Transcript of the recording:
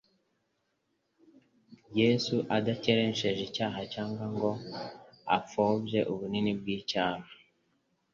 Yesu adakerensheje icyaha cyangwa se ngo apfobye ububi bw'icyaha,